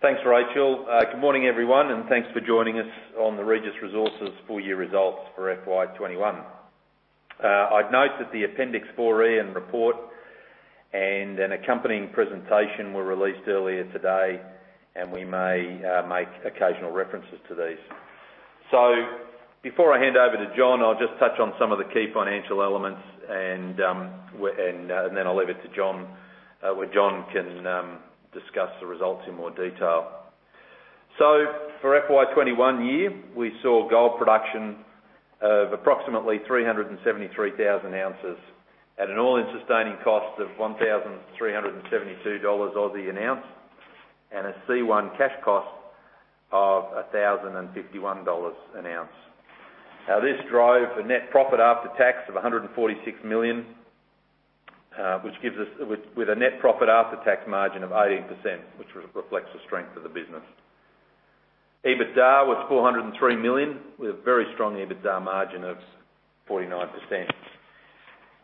Thanks, Rachel. Good morning, everyone, thanks for joining us on the Regis Resources full year results for FY 2021. I'd note that the Appendix 4E in report and an accompanying presentation were released earlier today, and we may make occasional references to these. Before I hand over to Jon, I'll just touch on some of the key financial elements and then I'll leave it to Jon, where Jon can discuss the results in more detail. For FY 2021 year, we saw gold production of approximately 373,000 ounces at an all-in sustaining cost of 1,372 Aussie dollars an ounce, and a C1 cash cost of AUD 1,051 an ounce. This drove a net profit after tax of AUD 146 million, with a net profit after tax margin of 18%, which reflects the strength of the business. EBITDA was 403 million, with a very strong EBITDA margin of 49%.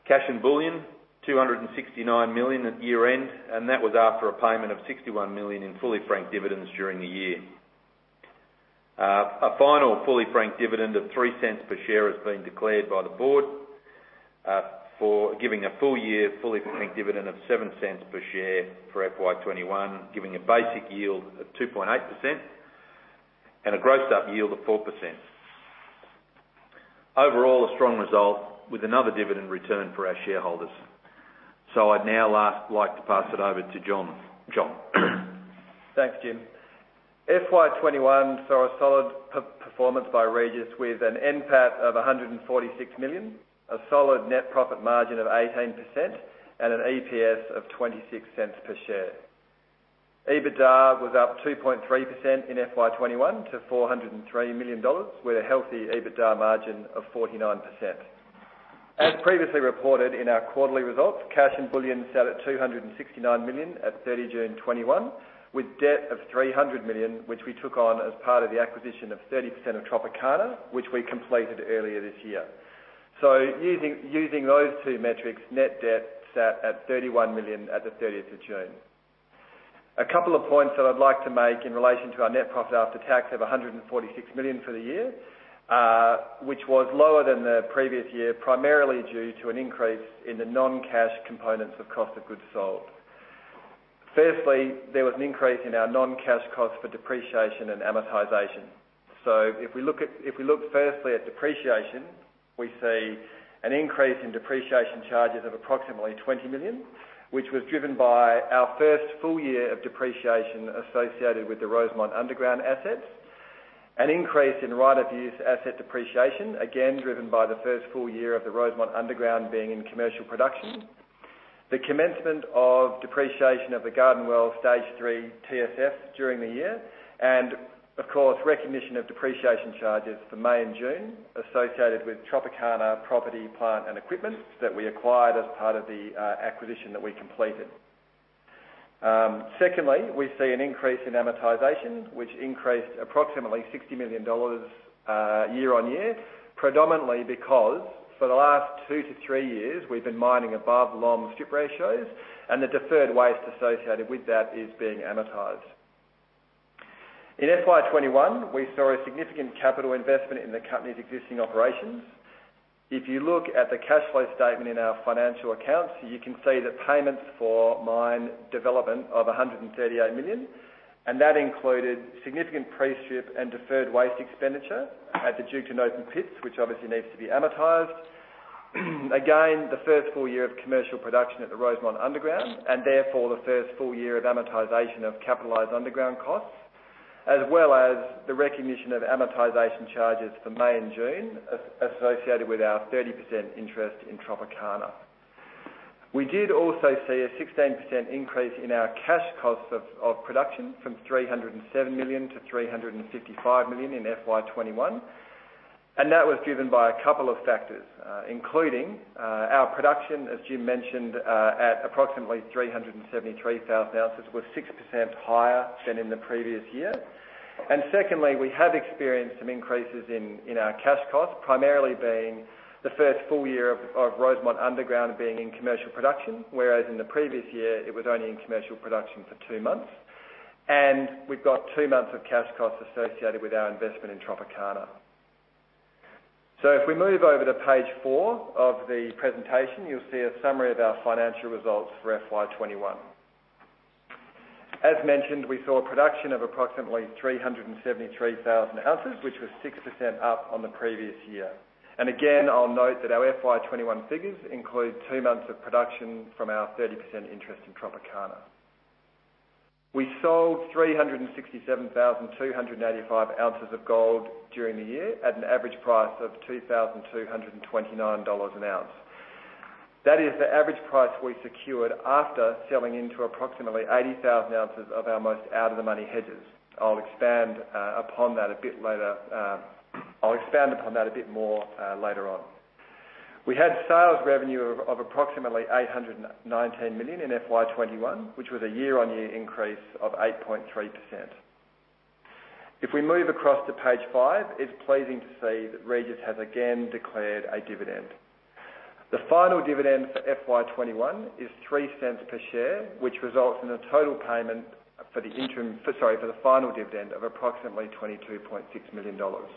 Cash and bullion, 269 million at year-end, and that was after a payment of 61 million in fully franked dividends during the year. A final fully franked dividend of 0.03 per share has been declared by the board, giving a full year fully franked dividend of 0.07 per share for FY21, giving a basic yield of 2.8% and a grossed-up yield of 4%. Overall, a strong result with another dividend return for our shareholders. I'd now like to pass it over to Jon. Jon? Thanks, Jim. FY 2021 saw a solid performance by Regis with an NPAT of 146 million, a solid net profit margin of 18%, and an EPS of 0.26 per share. EBITDA was up 2.3% in FY 2021 to AUD 403 million, with a healthy EBITDA margin of 49%. As previously reported in our quarterly results, cash and bullion sat at 269 million at 30 June 2021, with debt of 300 million, which we took on as part of the acquisition of 30% of Tropicana, which we completed earlier this year. Using those two metrics, net debt sat at 31 million at the 30th of June. A couple of points that I'd like to make in relation to our net profit after tax of 146 million for the year, which was lower than the previous year, primarily due to an increase in the non-cash components of cost of goods sold. Firstly, there was an increase in our non-cash cost for depreciation and amortization. If we look firstly at depreciation, we see an increase in depreciation charges of approximately 20 million, which was driven by our first full year of depreciation associated with the Rosemont underground assets. An increase in right-of-use asset depreciation, again, driven by the first full year of the Rosemont underground being in commercial production. The commencement of depreciation of the Garden Well stage 3 TSF during the year, and of course, recognition of depreciation charges for May and June associated with Tropicana property, plant, and equipment that we acquired as part of the acquisition that we completed. Secondly, we see an increase in amortization, which increased approximately 60 million dollars year on year, predominantly because for the last two to three years, we've been mining above long strip ratios, and the deferred waste associated with that is being amortized. In FY21, we saw a significant capital investment in the company's existing operations. If you look at the cash flow statement in our financial accounts, you can see the payments for mine development of 138 million, and that included significant pre-strip and deferred waste expenditure at the Duketon and open pits, which obviously needs to be amortized. Again, the first full year of commercial production at the Rosemont underground, and therefore the first full year of amortization of capitalized underground costs, as well as the recognition of amortization charges for May and June associated with our 30% interest in Tropicana. We did also see a 16% increase in our cash costs of production from 307 million to 355 million in FY 2021. That was driven by a couple of factors, including our production, as Jim mentioned, at approximately 373,000 ounces, was 6% higher than in the previous year. Secondly, we have experienced some increases in our cash costs, primarily being the first full year of Rosemont underground being in commercial production, whereas in the previous year, it was only in commercial production for two months. We've got two months of cash costs associated with our investment in Tropicana. If we move over to page four of the presentation, you'll see a summary of our financial results for FY 2021. As mentioned, we saw production of approximately 373,000 ounces, which was 6% up on the previous year. Again, I'll note that our FY 2021 figures include two months of production from our 30% interest in Tropicana. We sold 367,285 ounces of gold during the year at an average price of 2,229 dollars an ounce. That is the average price we secured after selling into approximately 80,000 ounces of our most out of the money hedges. I'll expand upon that a bit more later on. We had sales revenue of approximately 819 million in FY 2021, which was a year-over-year increase of 8.3%. We move across to page five, it's pleasing to see that Regis has again declared a dividend. The final dividend for FY 2021 is 0.03 per share, which results in a total payment for the final dividend of approximately 22.6 million dollars.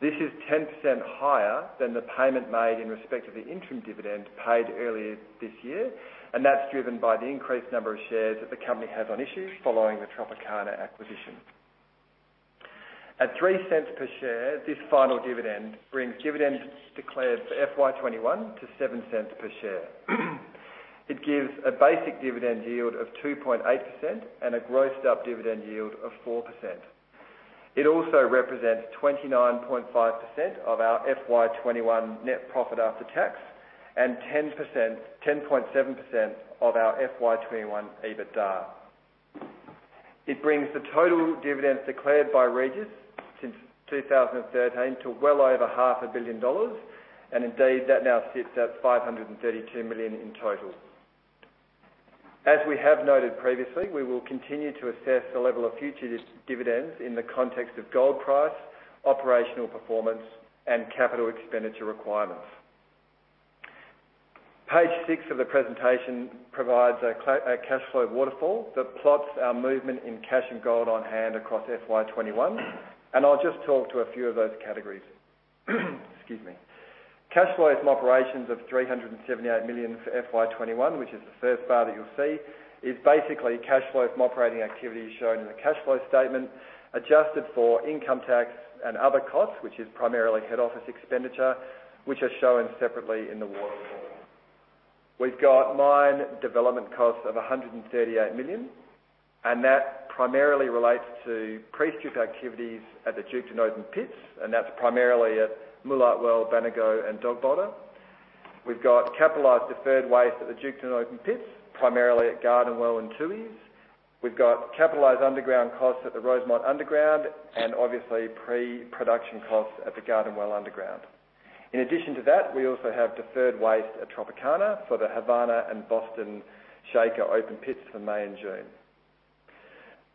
This is 10% higher than the payment made in respect of the interim dividend paid earlier this year, and that's driven by the increased number of shares that the company has on issue following the Tropicana acquisition. At 0.03 per share, this final dividend brings dividends declared for FY21 to 0.07 per share. It gives a basic dividend yield of 2.8% and a grossed-up dividend yield of 4%. It also represents 29.5% of our FY21 net profit after tax and 10.7% of our FY21 EBITDA. It brings the total dividends declared by Regis since 2013 to well over half a billion dollars, and indeed, that now sits at 532 million in total. As we have noted previously, we will continue to assess the level of future dividends in the context of gold price, operational performance, and capital expenditure requirements. Page six of the presentation provides a cash flow waterfall that plots our movement in cash and gold on hand across FY21. I'll just talk to a few of those categories. Excuse me. Cash flows from operations of 378 million for FY21, which is the first bar that you'll see, is basically cash flows from operating activities shown in the cash flow statement, adjusted for income tax and other costs, which is primarily head office expenditure, which are shown separately in the waterfall. We've got mine development costs of 138 million, that primarily relates to pre-strip activities at the Duketon open pits, that's primarily at Moolart Well, Baneygo, and Dogbolter. We've got capitalized deferred waste at the Duketon open pits, primarily at Garden Well and Tooheys Well. We've got capitalized underground costs at the Rosemont underground and obviously pre-production costs at the Garden Well underground. In addition to that, we also have deferred waste at Tropicana for the Havana and Boston Shaker open pits for May and June.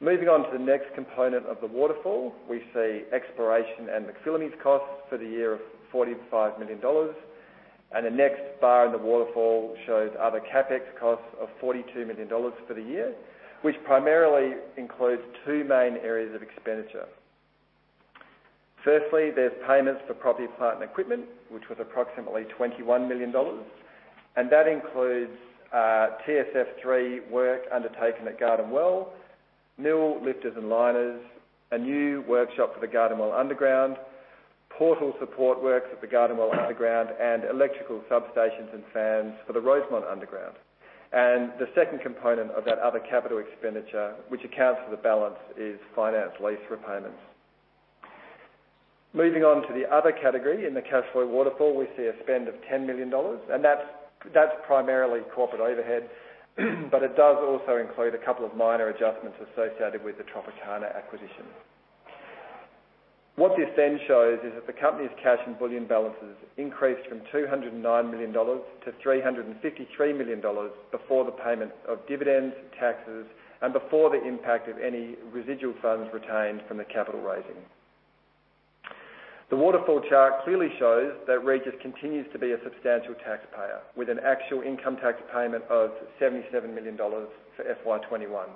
Moving on to the next component of the waterfall, we see exploration and McPhillamys costs for the year of 45 million dollars. The next bar in the waterfall shows other CapEx costs of 42 million dollars for the year, which primarily includes two main areas of expenditure. Firstly, there's payments for property, plant, and equipment, which was approximately 21 million dollars. That includes TSF3 work undertaken at Garden Well, mill lifters and liners, a new workshop for the Garden Well underground, portal support works at the Garden Well underground, and electrical substations and fans for the Rosemont underground. The second component of that other capital expenditure, which accounts for the balance, is finance lease repayments. Moving on to the other category in the cash flow waterfall, we see a spend of 10 million dollars, and that's primarily corporate overhead, but it does also include a couple of minor adjustments associated with the Tropicana acquisition. What this shows is that the company's cash and bullion balances increased from 209 million dollars to 353 million dollars before the payment of dividends, taxes, and before the impact of any residual funds retained from the capital raising. The waterfall chart clearly shows that Regis continues to be a substantial taxpayer, with an actual income tax payment of 77 million dollars for FY21.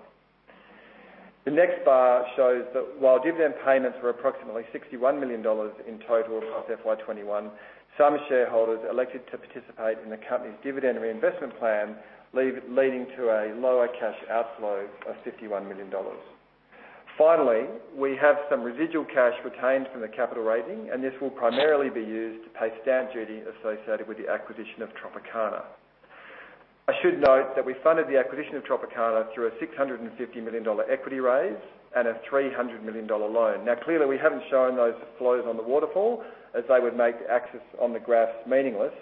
The next bar shows that while dividend payments were approximately AUD 61 million in total across FY21, some shareholders elected to participate in the company's dividend reinvestment plan, leading to a lower cash outflow of 51 million dollars. Finally, we have some residual cash retained from the capital raising, and this will primarily be used to pay stamp duty associated with the acquisition of Tropicana. I should note that we funded the acquisition of Tropicana through a 650 million dollar equity raise and a 300 million dollar loan. Now, clearly, we haven't shown those flows on the waterfall as they would make the axis on the graphs meaningless.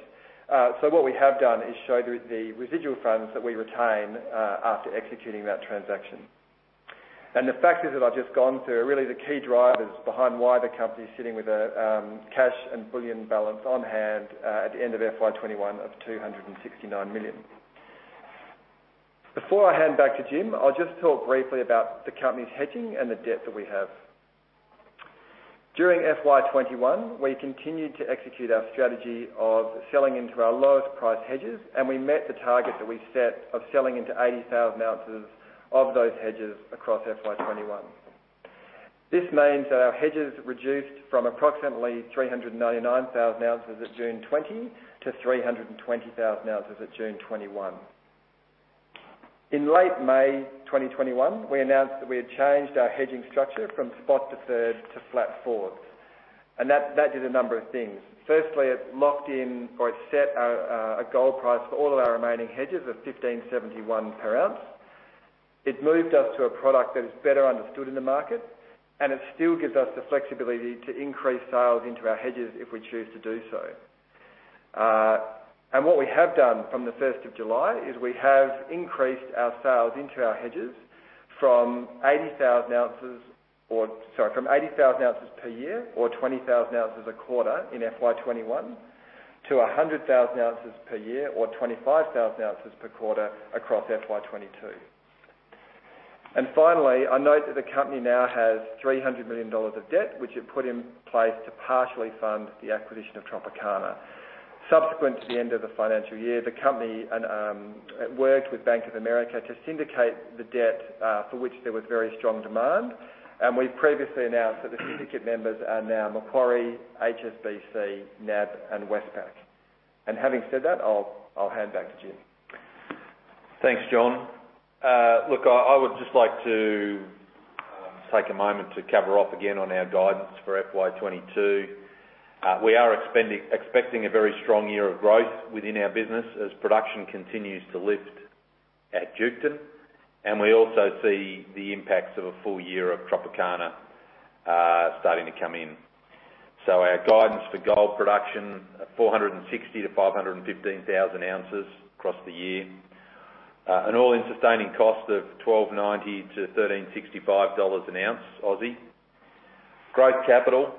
What we have done is show the residual funds that we retain after executing that transaction. The factors that I've just gone through are really the key drivers behind why the company is sitting with a cash and bullion balance on hand at the end of FY21 of 269 million. Before I hand back to Jim, I'll just talk briefly about the company's hedging and the debt that we have. During FY21, we continued to execute our strategy of selling into our lowest price hedges, and we met the target that we set of selling into 80,000 ounces of those hedges across FY21. This means our hedges reduced from approximately 399,000 ounces at June 2020 to 320,000 ounces at June 2021. In late May 2021, we announced that we had changed our hedging structure from spot deferred to flat forwards, and that did a number of things. Firstly, it locked in or it set a gold price for all of our remaining hedges of 1,571 per ounce. It moved us to a product that is better understood in the market, and it still gives us the flexibility to increase sales into our hedges if we choose to do so. What we have done from the 1st of July is we have increased our sales into our hedges from 80,000 ounces per year or 20,000 ounces a quarter in FY 2021 - 100,000 ounces per year or 25,000 ounces per quarter across FY 2022. Finally, I note that the company now has 300 million dollars of debt, which it put in place to partially fund the acquisition of Tropicana. Subsequent to the end of the financial year, the company worked with Bank of America to syndicate the debt, for which there was very strong demand. We've previously announced that the syndicate members are now Macquarie, HSBC, NAB, and Westpac. Having said that, I'll hand back to Jim. Thanks, Jon. I would just like to take a moment to cover off again on our guidance for FY 2022. We are expecting a very strong year of growth within our business as production continues to lift at Duketon, and we also see the impacts of a full year of Tropicana starting to come in. Our guidance for gold production, 460 to 515,000 ounces across the year. An all-in sustaining cost of AUD 1,290-AUD 1,365 an ounce Aussie. Growth capital,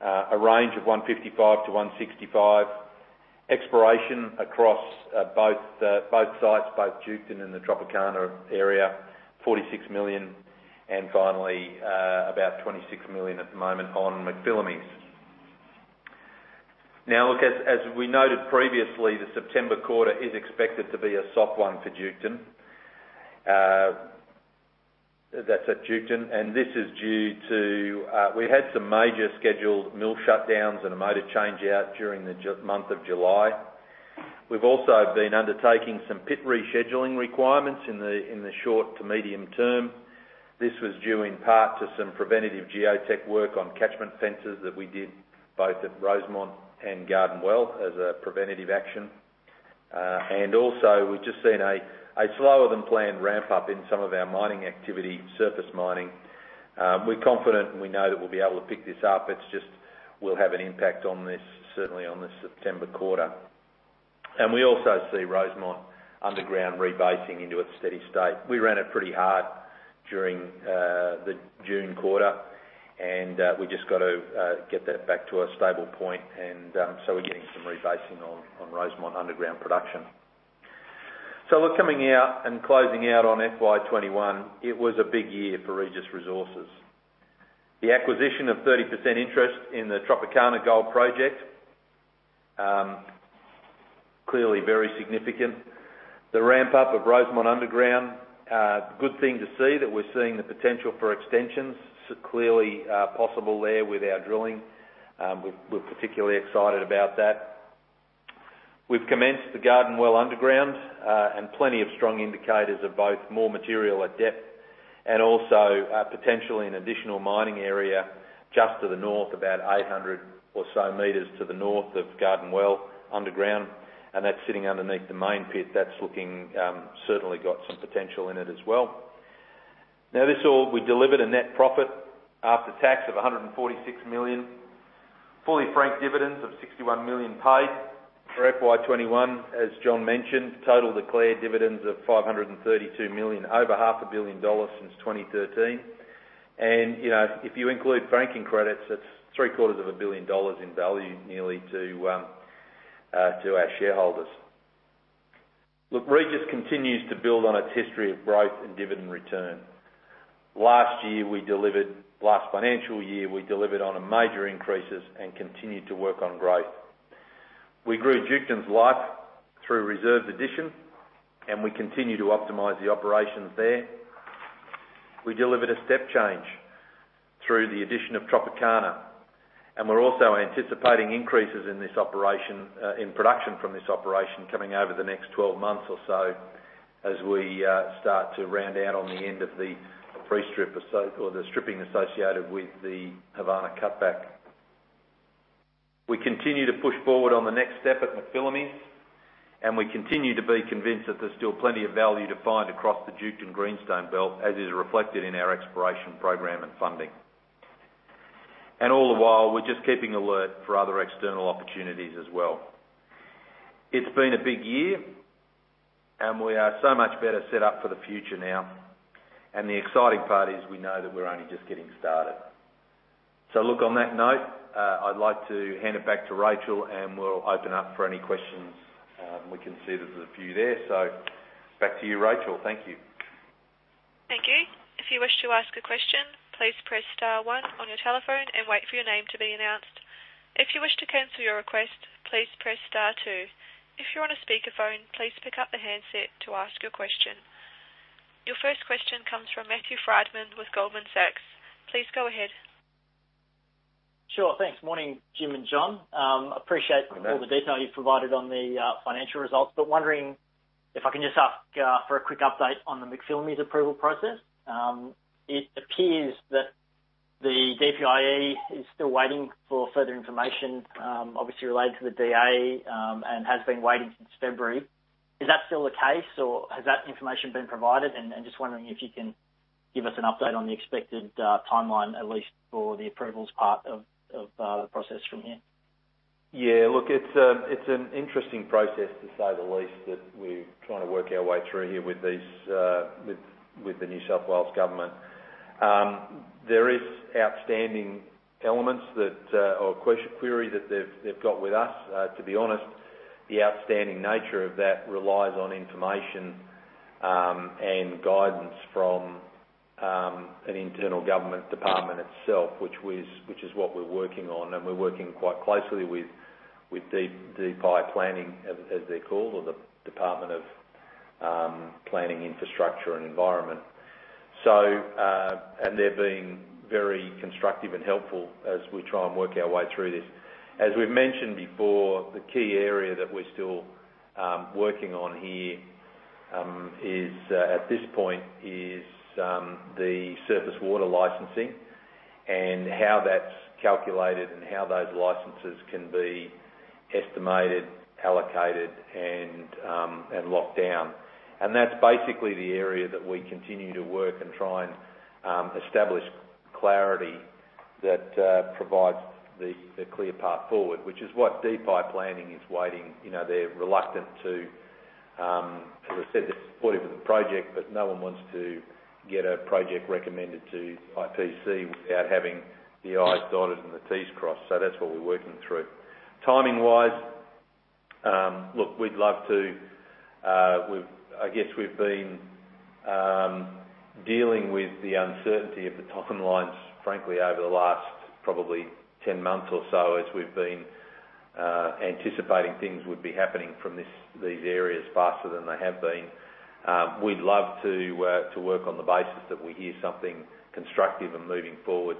a range of AUD 155-AUD 165. Exploration across both sites, both Duketon and the Tropicana area, 46 million. Finally, about 26 million at the moment on McPhillamys. As we noted previously, the September quarter is expected to be a soft one for Duketon. That's at Duketon, and this is due to, we had some major scheduled mill shutdowns and a motor change-out during the month of July. We've also been undertaking some pit rescheduling requirements in the short to medium term. This was due in part to some preventative geotech work on catchment fences that we did both at Rosemont and Garden Well as a preventative action. Also, we've just seen a slower-than-planned ramp-up in some of our mining activity, surface mining. We're confident and we know that we'll be able to pick this up. It's just we'll have an impact on this, certainly on the September quarter. We also see Rosemont underground rebasing into its steady state. We ran it pretty hard during the June quarter, and we just got to get that back to a stable point. We're getting some rebasing on Rosemont underground production. Coming out and closing out on FY 2021, it was a big year for Regis Resources. The acquisition of 30% interest in the Tropicana Gold Project, clearly very significant. The ramp-up of Rosemont underground, good thing to see that we're seeing the potential for extensions. Clearly possible there with our drilling. We're particularly excited about that. We've commenced the Garden Well underground, plenty of strong indicators of both more material at depth and also potentially an additional mining area just to the north, about 800 or so meters to the north of Garden Well underground, that's sitting underneath the main pit. That's certainly got some potential in it as well. We delivered a net profit after tax of 146 million, fully franked dividends of 61 million paid. For FY 2021, as Jon mentioned, total declared dividends of 532 million, over AUD 500 a milion dollars since 2013. If you include franking credits, that's AUD 750 milion dollars in value nearly to our shareholders. Look, Regis continues to build on its history of growth and dividend return. Last financial year, we delivered on a major increases and continued to work on growth. We grew Duketon's life through reserves addition, and we continue to optimize the operations there. We delivered a step change through the addition of Tropicana, and we're also anticipating increases in production from this operation coming over the next 12 months or so as we start to round out on the end of the pre-strip or the stripping associated with the Havana cutback. We continue to push forward on the next step at McPhillamys. We continue to be convinced that there's still plenty of value to find across the Duketon Greenstone Belt, as is reflected in our exploration program and funding. All the while, we're just keeping alert for other external opportunities as well. It's been a big year, and we are so much better set up for the future now. The exciting part is we know that we're only just getting started. Look, on that note, I'd like to hand it back to Rachel, and we'll open up for any questions. We can see there's a few there, so back to you, Rachel. Thank you. Thank you. Your first question comes from Matthew Frydman with Goldman Sachs. Please go ahead. Sure. Thanks. Morning, Jim and Jon. Good morning. Appreciate all the detail you've provided on the financial results, wondering if I can just ask for a quick update on the McPhillamys approval process. It appears that the DPIE is still waiting for further information, obviously related to the DA, and has been waiting since February. Is that still the case, or has that information been provided? Just wondering if you can give us an update on the expected timeline, at least for the approvals part of the process from here. Look, it's an interesting process to say the least that we're trying to work our way through here with the New South Wales government. There are outstanding elements or queries that they've got with us. To be honest, the outstanding nature of that relies on information and guidance from an internal government department itself, which is what we're working on. We're working quite closely with DPI Planning, as they're called, or the Department of Planning, Industry and Environment. They're being very constructive and helpful as we try and work our way through this. As we've mentioned before, the key area that we're still working on here, at this point, is the surface water licensing and how that's calculated and how those licenses can be estimated, allocated, and locked down. That's basically the area that we continue to work and try and establish clarity that provides the clear path forward, which is what DPIE is waiting. As I said, they're supportive of the project, but no one wants to get a project recommended to IPC without having the I's dotted and the T's crossed. That's what we're working through. Timing-wise, look, I guess we've been dealing with the uncertainty of the timelines, frankly, over the last probably 10 months or so, as we've been anticipating things would be happening from these areas faster than they have been. We'd love to work on the basis that we hear something constructive and moving forward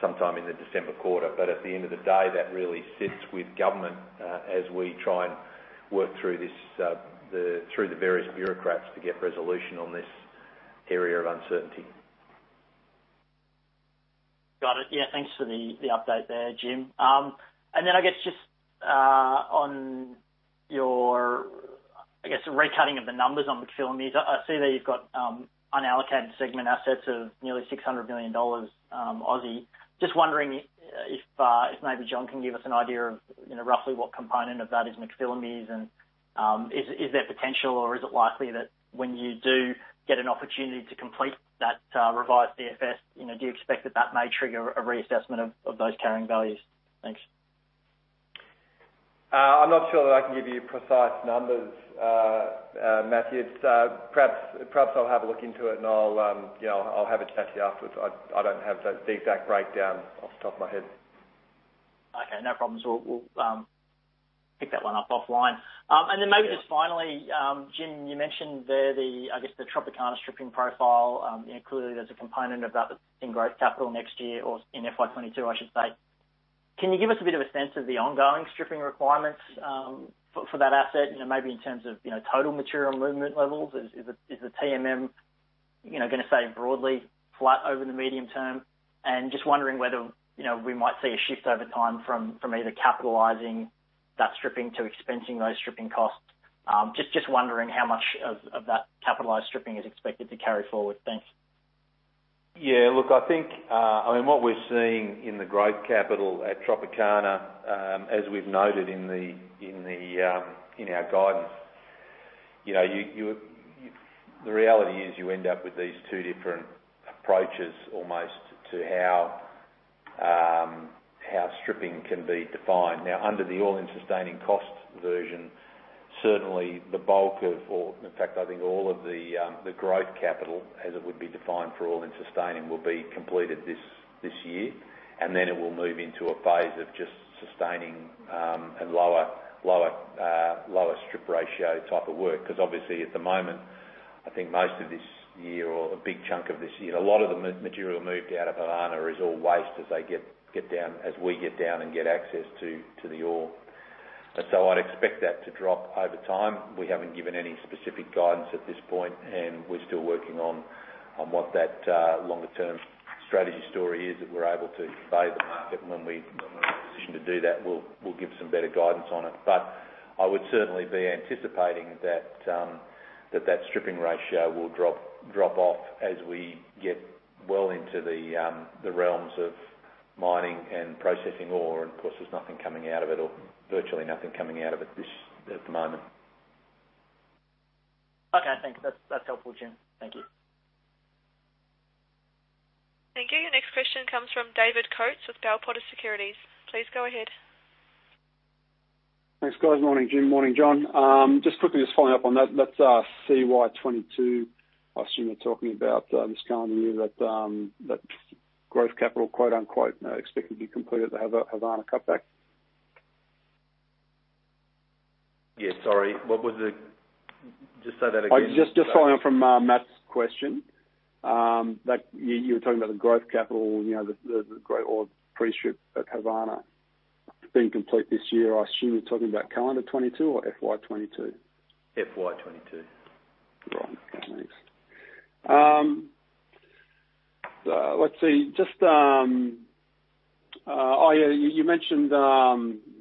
sometime in the December quarter. At the end of the day, that really sits with government as we try and work through the various bureaucrats to get resolution on this area of uncertainty. Got it. Thanks for the update there, Jim. Then I guess just on your recutting of the numbers on McPhillamys. I see that you've got unallocated segment assets of nearly 600 million Aussie dollars. Just wondering if maybe Jon can give us an idea of roughly what component of that is McPhillamys. Is there potential, or is it likely that when you do get an opportunity to complete that revised DFS, do you expect that that may trigger a reassessment of those carrying values? Thanks. I'm not sure that I can give you precise numbers, Matthew. Perhaps I'll have a look into it and I'll have a chat to you afterwards. I don't have the exact breakdown off the top of my head. Okay, no problems. We'll pick that one up offline. Maybe just finally, Jim, you mentioned there the Tropicana stripping profile, clearly there's a component of that in growth capital next year or in FY 2022, I should say. Can you give us a bit of a sense of the ongoing stripping requirements for that asset, maybe in terms of total material movement levels? Is the TMM going to stay broadly flat over the medium term? Just wondering whether we might see a shift over time from either capitalizing that stripping to expensing those stripping costs. Just wondering how much of that capitalized stripping is expected to carry forward. Thanks. Yeah, look, I think what we're seeing in the growth capital at Tropicana, as we've noted in our guidance. The reality is you end up with these two different approaches almost to how stripping can be defined. Under the all-in sustaining cost version, certainly the bulk of or, in fact, I think all of the growth capital as it would be defined for all-in sustaining, will be completed this year, and then it will move into a phase of just sustaining and lower strip ratio type of work. Obviously at the moment, I think most of this year or a big chunk of this year, a lot of the material moved out of Havana is all waste as we get down and get access to the ore. I'd expect that to drop over time. We haven't given any specific guidance at this point, and we're still working on what that longer-term strategy story is that we're able to say to the market. When we're in a position to do that, we'll give some better guidance on it. I would certainly be anticipating that stripping ratio will drop off as we get well into the realms of mining and processing ore. Of course, there's nothing coming out of it or virtually nothing coming out of it at the moment. Okay, thanks. That's helpful, Jim. Thank you. Thank you. Your next question comes from David Coates with Bell Potter Securities. Please go ahead. Thanks, guys. Morning, Jim. Morning, Jon. Just quickly following up on that CY22, I assume you're talking about this calendar year, that growth capital, quote-unquote, expected to be completed at the Havana cutback? Yeah, sorry. Just say that again? Just following up from Matt's question. You were talking about the growth capital, the growth ore pre-strip at Havana being complete this year. I assume you're talking about calendar 2022 or FY 2022? FY22. Right. Okay, thanks. Let's see. You mentioned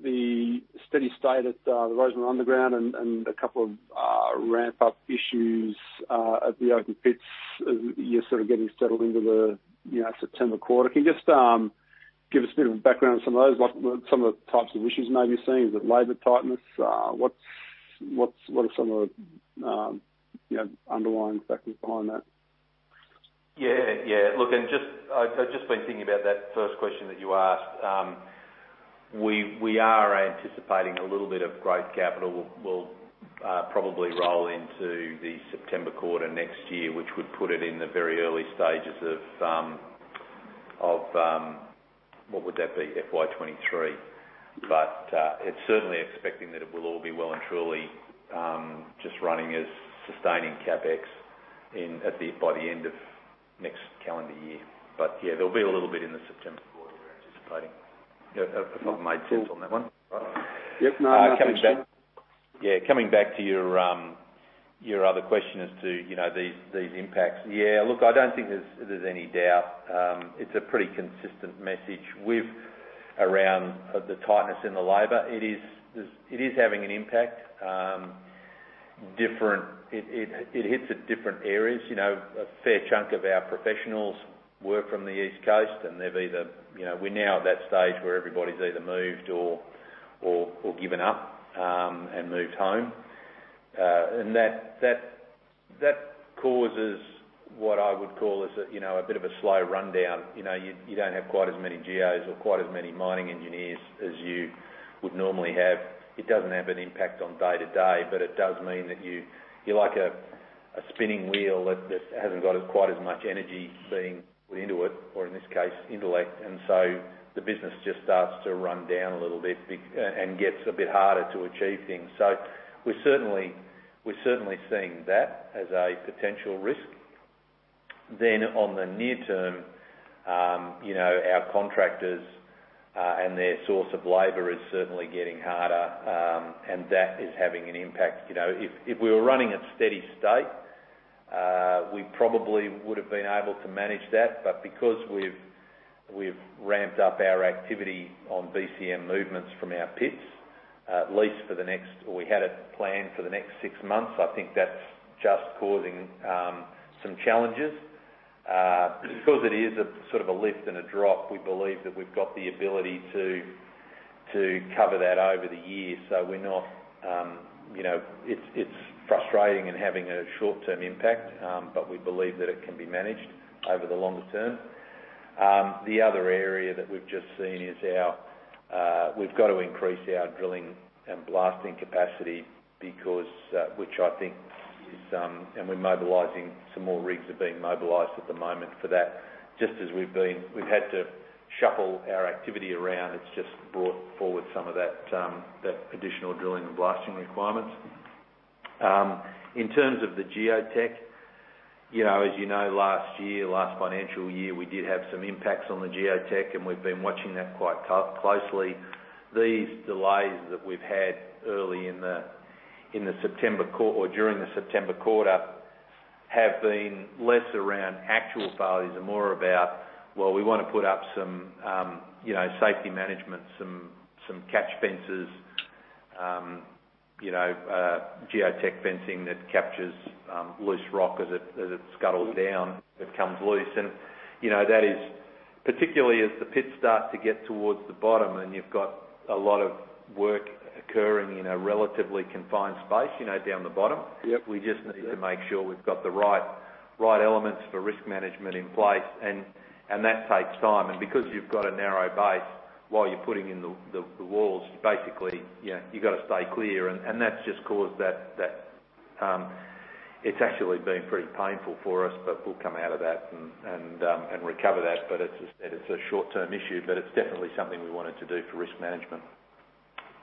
the steady state at the Rosemont underground and a couple of ramp-up issues at the open pits as you're sort of getting settled into the September quarter. Give us a bit of background on some of those, like some of the types of issues you may be seeing. Is it labor tightness? What are some of the underlying factors behind that? Yeah. Look, I've just been thinking about that first question that you asked. We are anticipating a little bit of growth capital will probably roll into the September quarter next year, which would put it in the very early stages of, what would that be? FY23. It's certainly expecting that it will all be well and truly just running as sustaining CapEx by the end of next calendar year. Yeah, there'll be a little bit in the September quarter, we're anticipating. If I've made sense on that one. Right? Yep. No, no. Coming back to your other question as to these impacts. Yeah. Look, I don't think there's any doubt. It's a pretty consistent message with around the tightness in the labor. It is having an impact. It hits at different areas. A fair chunk of our professionals work from the East Coast, and we're now at that stage where everybody's either moved or given up and moved home. That causes what I would call is a bit of a slow rundown. You don't have quite as many geos or quite as many mining engineers as you would normally have. It doesn't have an impact on day to day, but it does mean that you're like a spinning wheel that just hasn't got quite as much energy being put into it, or in this case, intellect. The business just starts to run down a little bit and gets a bit harder to achieve things. We're certainly seeing that as a potential risk. On the near term, our contractors and their source of labor is certainly getting harder, and that is having an impact. If we were running at steady state, we probably would have been able to manage that. Because we've ramped up our activity on BCM movements from our pits, at least we had it planned for the next six months. I think that's just causing some challenges. Because it is a sort of a lift and a drop, we believe that we've got the ability to cover that over the year. It's frustrating and having a short-term impact, but we believe that it can be managed over the longer term. The other area that we've just seen is we've got to increase our drilling and blasting capacity, and we're mobilizing. Some more rigs are being mobilized at the moment for that. As we've had to shuffle our activity around, it's just brought forward some of that additional drilling and blasting requirements. In terms of the geotech, as you know, last year, last financial year, we did have some impacts on the geotech, and we've been watching that quite closely. These delays that we've had early in the September quarter or during the September quarter have been less around actual failures and more about, well, we want to put up some safety management, some catch fences, geotech fencing that captures loose rock as it scuttles down, that comes loose. Particularly as the pits start to get towards the bottom and you've got a lot of work occurring in a relatively confined space, down the bottom. Yep we just need to make sure we've got the right elements for risk management in place, and that takes time. Because you've got a narrow base while you're putting in the walls, basically, you've got to stay clear. It's actually been pretty painful for us, but we'll come out of that and recover that. As I said, it's a short-term issue, but it's definitely something we wanted to do for risk management.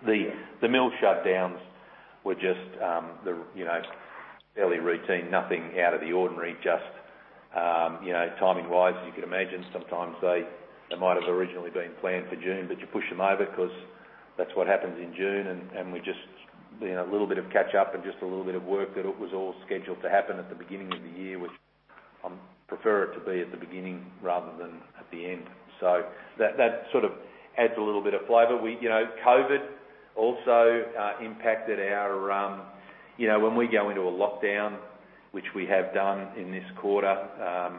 The mill shutdowns were just fairly routine, nothing out of the ordinary, just timing-wise, as you can imagine. Sometimes they might have originally been planned for June, but you push them over because that's what happens in June, and we just a little bit of catch up and just a little bit of work that it was all scheduled to happen at the beginning of the year, which I prefer it to be at the beginning rather than at the end. That sort of adds a little bit of flavor. COVID also impacted our, when we go into a lockdown, which we have done in this quarter, a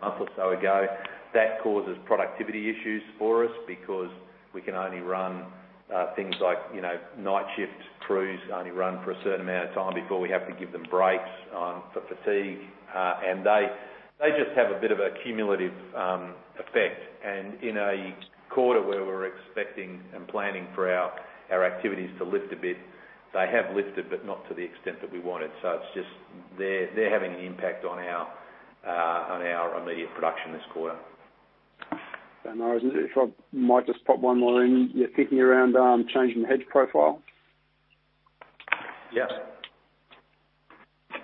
month or so ago, that causes productivity issues for us because we can only run things like night shift crews only run for a certain amount of time before we have to give them breaks for fatigue. They just have a bit of a cumulative effect. In a quarter where we're expecting and planning for our activities to lift a bit, they have lifted, but not to the extent that we wanted. It's just they're having an impact on our immediate production this quarter. Fair. If I might just pop one more in. You're thinking around changing the hedge profile?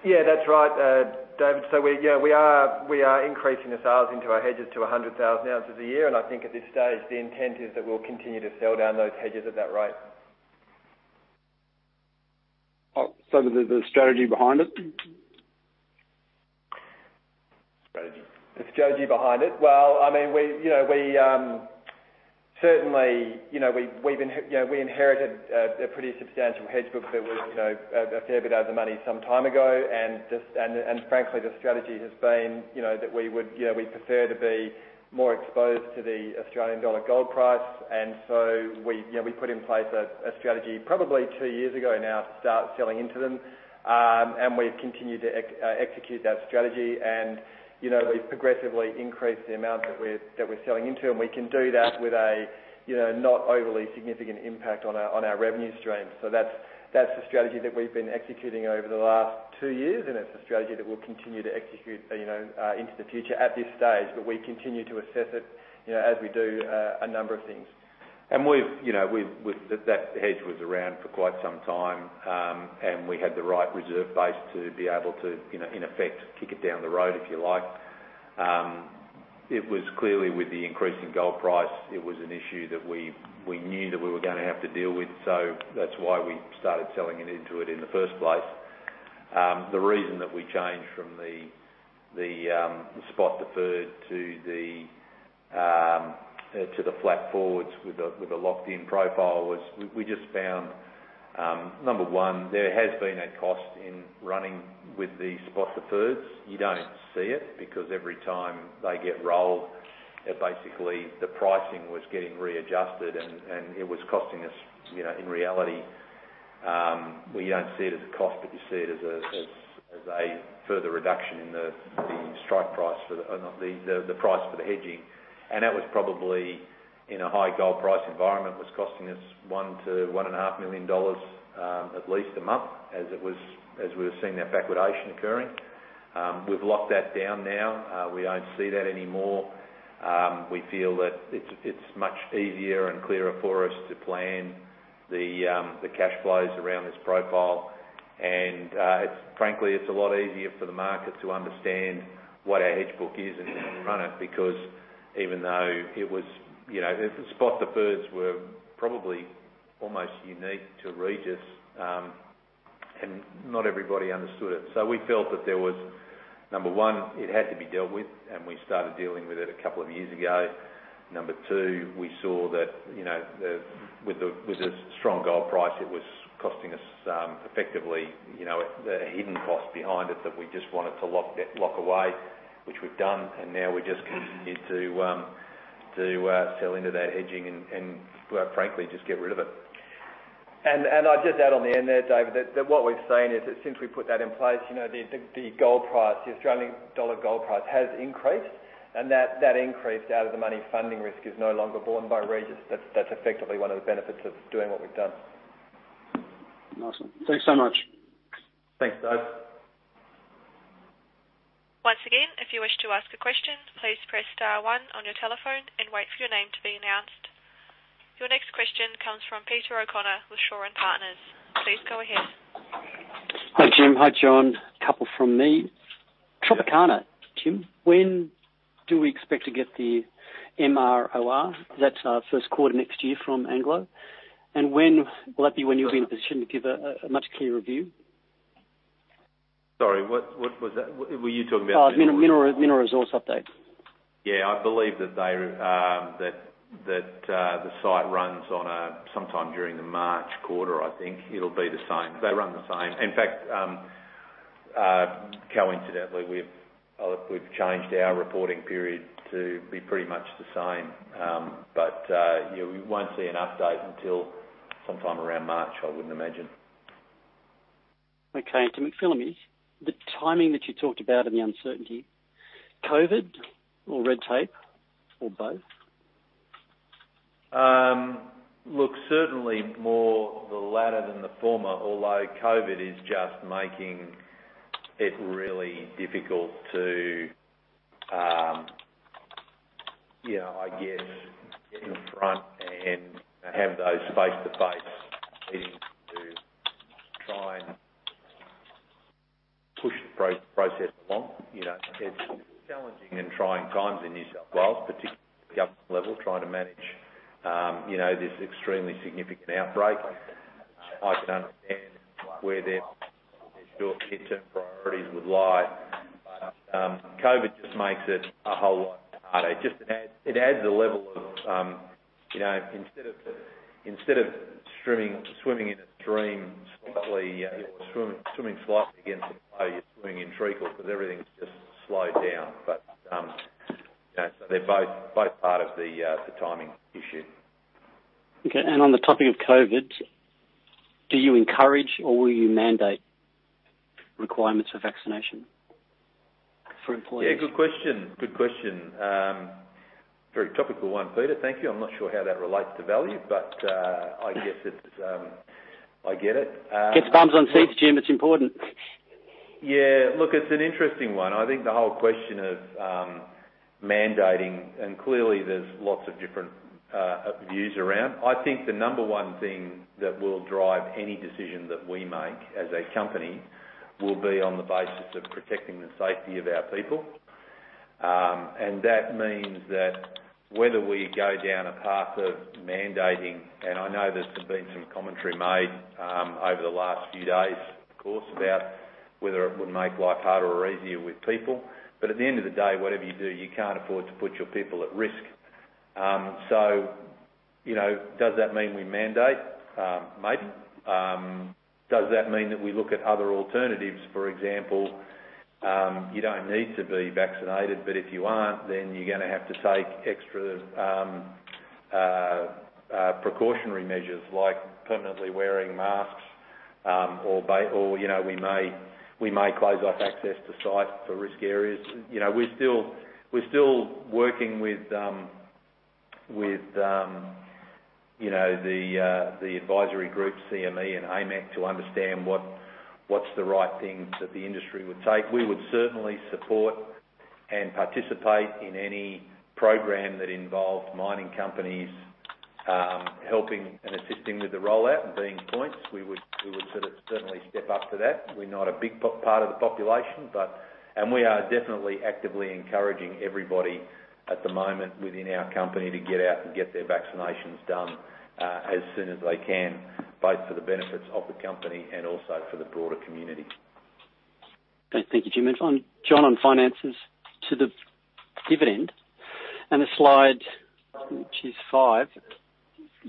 Yeah, that's right, David. Yeah, we are increasing the sales into our hedges to 100,000 ounces a year, and I think at this stage, the intent is that we'll continue to sell down those hedges at that rate. The strategy behind it? Strategy. The strategy behind it. Certainly, we inherited a pretty substantial hedge book that was a fair bit out of the money some time ago. Frankly, the strategy has been that we prefer to be more exposed to the AUD gold price. We put in place a strategy probably two years ago now to start selling into them. We've continued to execute that strategy, and we've progressively increased the amount that we're selling into, and we can do that with a not overly significant impact on our revenue stream. That's the strategy that we've been executing over the last two years, and it's a strategy that we'll continue to execute into the future at this stage, but we continue to assess it as we do a number of things. That hedge was around for quite some time, and we had the right reserve base to be able to, in effect, kick it down the road, if you like. It was clearly with the increasing gold price, it was an issue that we knew that we were going to have to deal with. That's why we started selling into it in the first place. The reason that we changed from the spot deferred to the flat forwards with a locked-in profile was we just found, number one, there has been a cost in running with the spot deferreds. You don't see it because every time they get rolled, basically the pricing was getting readjusted, and it was costing us in reality. Well, you don't see it as a cost, but you see it as a further reduction in the strike price for the price for the hedging. That was probably in a high gold price environment, was costing us 1 million-1.5 million dollars at least a month as we were seeing that backwardation occurring. We've locked that down now. We don't see that anymore. We feel that it's much easier and clearer for us to plan the cash flows around this profile. Frankly, it's a lot easier for the market to understand what our hedge book is and how we run it, because even though the spot deferreds were probably almost unique to Regis, and not everybody understood it. We felt that there was, number one, it had to be dealt with, and we started dealing with it a couple of years ago. Number two, we saw that with the strong gold price, it was costing us effectively a hidden cost behind it that we just wanted to lock away, which we've done. Now we just continue to sell into that hedging and, frankly, just get rid of it. I'd just add on the end there, David, that what we've seen is that since we put that in place, the gold price, the AUD gold price has increased. That increase out of the money funding risk is no longer borne by Regis. That's effectively one of the benefits of doing what we've done. Awesome. Thanks so much. Thanks, Dave. Once again, if you wish to ask a question, please press star one on your telephone and wait for your name to be announced. Your next question comes from Peter O'Connor with Shaw and Partners. Please go ahead. Hi, Jim. Hi, Jon. A couple from me. Tropicana, Jim, when do we expect to get the MROR? That's first quarter next year from Anglo. When will that be when you'll be in a position to give a much clearer view? Sorry, what was that? Were you talking about- Mineral resource update. Yeah, I believe that the site runs sometime during the March quarter, I think. It'll be the same. They run the same. In fact, coincidentally, we've changed our reporting period to be pretty much the same. We won't see an update until sometime around March, I would imagine. Okay. To McPhillamys, the timing that you talked about and the uncertainty, COVID or red tape or both? Look, certainly more the latter than the former, although COVID is just making it really difficult to, I guess, get in front and have those face-to-face meetings to try and push the process along. It's challenging and trying times in New South Wales, particularly at the government level, trying to manage this extremely significant outbreak. I can understand where their short-term priorities would lie. COVID just makes it a whole lot harder. It adds a level of, instead of swimming in a stream slightly or swimming slightly against the flow, you're swimming in treacle because everything's just slowed down. They're both part of the timing issue. Okay. On the topic of COVID, do you encourage or will you mandate requirements for vaccination for employees? Yeah, good question. Good question. Very topical one, Peter. Thank you. I'm not sure how that relates to value, but I guess I get it. Gets bums on seats, Jim. It's important. Look, it's an interesting one. I think the whole question of mandating, clearly there's lots of different views around. I think the number one thing that will drive any decision that we make as a company will be on the basis of protecting the safety of our people. That means that whether we go down a path of mandating, and I know there's been some commentary made over the last few days, of course, about whether it would make life harder or easier with people. At the end of the day, whatever you do, you can't afford to put your people at risk. Does that mean we mandate? Maybe. Does that mean that we look at other alternatives? For example, you don't need to be vaccinated, but if you aren't, then you're going to have to take extra precautionary measures, like permanently wearing masks, or we may close off access to site for risk areas. We're still working with the advisory group, CME and AMEC, to understand what's the right things that the industry would take. We would certainly support and participate in any program that involved mining companies helping and assisting with the rollout and being points. We would certainly step up to that. We're not a big part of the population. We are definitely actively encouraging everybody at the moment within our company to get out and get their vaccinations done as soon as they can, both for the benefits of the company and also for the broader community. Thank you, Jim. Jon, on finances to the dividend, on the slide, which is five,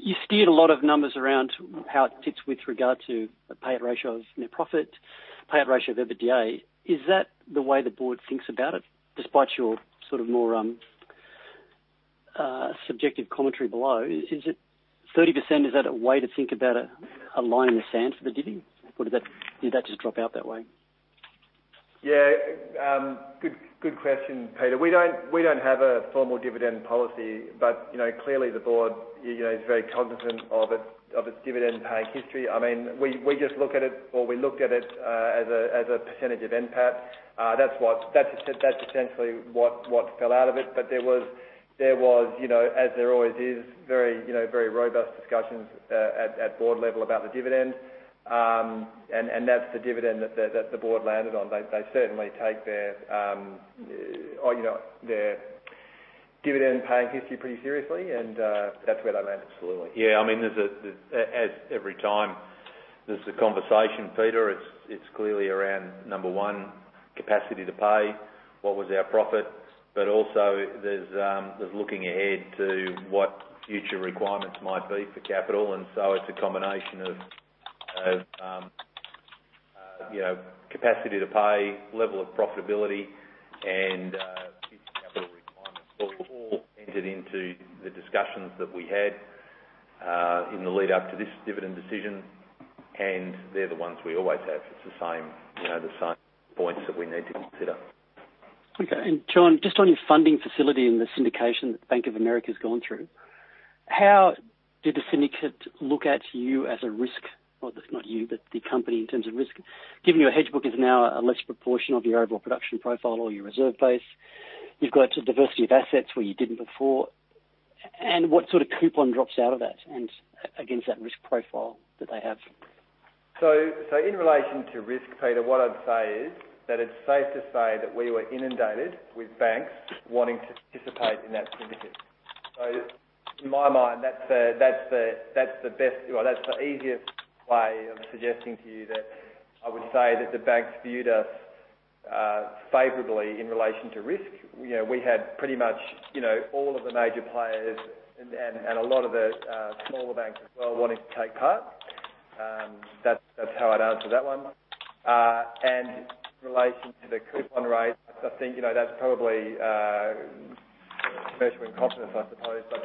you steered a lot of numbers around how it fits with regard to the payout ratio of net profit, payout ratio of EBITDA. Is that the way the board thinks about it, despite your more subjective commentary below? Is it 30%? Is that a way to think about a line in the sand for the dividend, or did that just drop out that way? Yeah. Good question, Peter O'Connor. We don't have a formal dividend policy, but clearly the board is very cognizant of its dividend-paying history. We just look at it, or we look at it as a percentage of NPAT. That's essentially what fell out of it. There was, as there always is, very robust discussions at board level about the dividend. That's the dividend that the board landed on. They certainly take their dividend-paying history pretty seriously, and that's where they landed. Absolutely. As every time there's a conversation, Peter, it's clearly around, number 1, capacity to pay, what was our profit, but also there's looking ahead to what future requirements might be for capital. It's a combination of capacity to pay, level of profitability, and future capital requirements all entered into the discussions that we had in the lead up to this dividend decision. They're the ones we always have. It's the same points that we need to consider. Okay. Jon, just on your funding facility and the syndication that Bank of America's gone through, how did the syndicate look at you as a risk? Not you, but the company in terms of risk. Given your hedge book is now a less proportion of your overall production profile or your reserve base, you've got a diversity of assets where you didn't before. What sort of coupon drops out of that and against that risk profile that they have? In relation to risk, Peter, what I'd say is that it's safe to say that we were inundated with banks wanting to participate in that syndicate. In my mind, that's the easiest way of suggesting to you that I would say that the banks viewed us favorably in relation to risk. We had pretty much all of the major players and a lot of the smaller banks as well wanting to take part. That's how I'd answer that one. In relation to the coupon rates, I think that's probably commercial in confidence, I suppose, but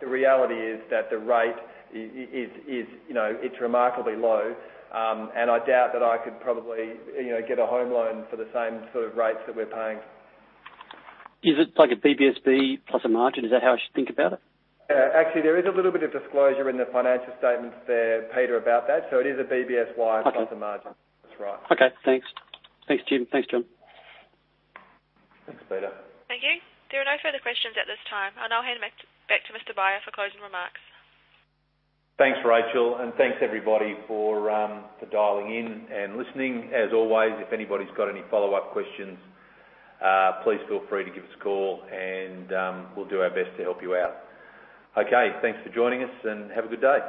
the reality is that the rate, it's remarkably low, and I doubt that I could probably get a home loan for the same sort of rates that we're paying. Is it like a BBSY plus a margin? Is that how I should think about it? Actually, there is a little bit of disclosure in the financial statements there, Peter, about that. It is a BBSY. Okay plus a margin. That's right. Okay, thanks. Thanks, Jim. Thanks, Jon. Thanks, Peter. Thank you. There are no further questions at this time. I'll hand it back to Jim Beyer for closing remarks. Thanks, Rachel, thanks, everybody, for dialing in and listening. As always, if anybody's got any follow-up questions, please feel free to give us a call and we'll do our best to help you out. Okay. Thanks for joining us, have a good day.